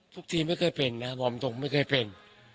ทุกทีมไม่เคยเป็นนะบอกตรงไม่เคยเป็น